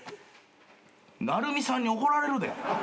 なるみさんに怒られるで。